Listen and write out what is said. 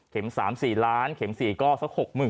๓๔ล้านเข็ม๔ก็สัก๖๐๐๐